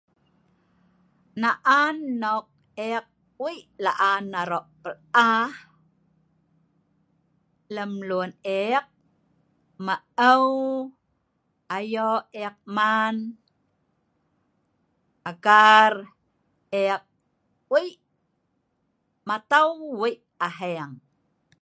Naan nok ek wei' laan aro' pel ah lem lun ek, maeu' ayo' ek man agar ek wei' matau wei' aheng.